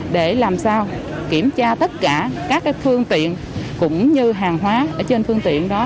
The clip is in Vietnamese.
để làm sao kiểm tra tất cả các phương tiện cũng như hàng hóa ở trên phương tiện đó